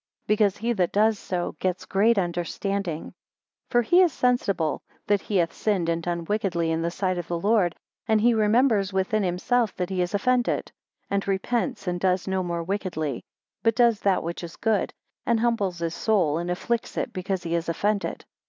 Because he that does so gets great understanding. 15 For he is sensible that he hath sinned and done wickedly in the sight of the Lord, and he remembers within himself that he has offended, and repents and does no more wickedly, but does that which is good, and humbles his soul and afflicts it, because he has offended.